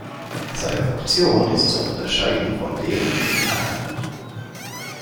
Seine Funktion ist zu unterscheiden von dem in can.